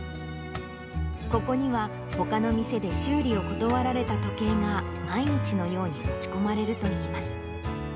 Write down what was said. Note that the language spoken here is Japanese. ここには、ほかの店で修理を断られた時計が、毎日のように持ち込まれるといいます。